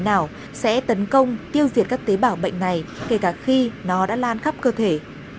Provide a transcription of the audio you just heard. nào sẽ tấn công tiêu diệt các tế bào bệnh này kể cả khi nó đã lan khắp cơ thể